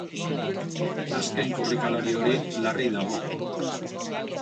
Azken korrikalari hori larri dago.